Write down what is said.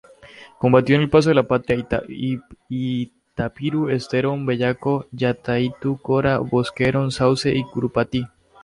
Combatió en Paso de la Patria, Itapirú, Estero Bellaco, Yataití-Corá, Boquerón, Sauce y Curupaytí.